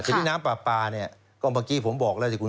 ซึ่งที่น้ำปลานี่พอบอกที่ผมบอกว่าคุณคูณ